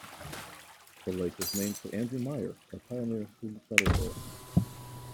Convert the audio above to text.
The lake was named for Andrew Meyer, a pioneer who settled there.